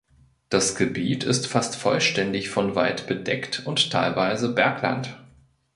Das Gebiet ist fast vollständig von Wald bedeckt und teilweise Bergland.